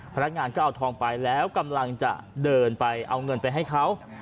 พนักงานก็เอาทองไปแล้วกำลังจะเดินไปเอาเงินไปให้เขา